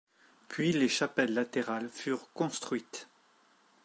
Puis les chapelles latérales furent construites.